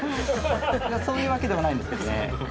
「そういうわけではないんですけどね」